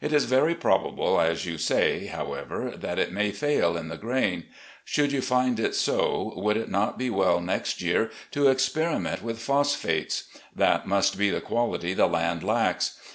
It is very probable, as you say, however, that it may fail in the grain. Should you find it so, would it not be well next year to experiment with phos phates ? That must be the quality the land lacks.